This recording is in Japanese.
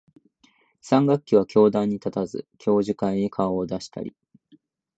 三学期は教壇に立たず、教授会に顔を出したり、